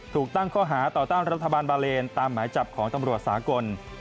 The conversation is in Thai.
ถูกตั้งข้อหาต่อต้านรัฐบาลบาเลนตามหมายจับของตำรวจสากล